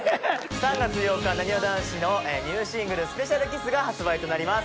３月８日なにわ男子のニューシングル『ＳｐｅｃｉａｌＫｉｓｓ』が発売となります。